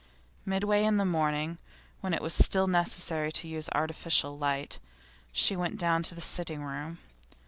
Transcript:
Midway in the morning, when it was still necessary to use artificial light, she went down to the sitting room.